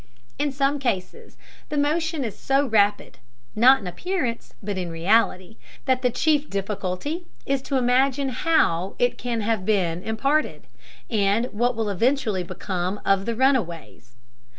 In some cases the motion is so rapid (not in appearance, but in reality) that the chief difficulty is to imagine how it can have been imparted, and what will eventually become of the "runaways."